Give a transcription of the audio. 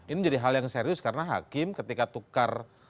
ini menjadi hal yang serius karena hakim ketika tukar